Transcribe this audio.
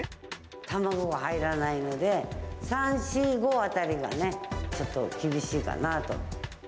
卵が入らないので、３、４、５あたりがね、ちょっと厳しいかなと。